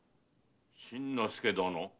新之助殿。